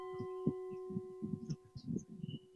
四川乡试第三十九名。